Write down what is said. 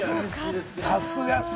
さすが。